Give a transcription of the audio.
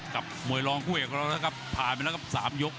กับมวยรองคู่เอกของเรานะครับผ่านไปแล้วครับ๓ยก